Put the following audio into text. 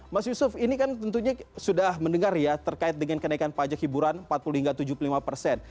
mas yusuf ini kan tentunya sudah mendengar ya terkait dengan kenaikan pajak hiburan empat puluh hingga tujuh puluh lima persen